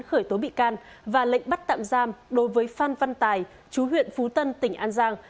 khởi tố bị can và lệnh bắt tạm giam đối với phan văn tài chú huyện phú tân tỉnh an giang